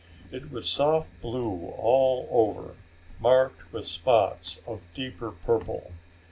It was soft blue all over, marked with spots of deeper purple.